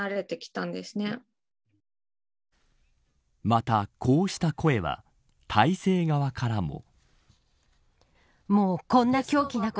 また、こうした声は体制側からも。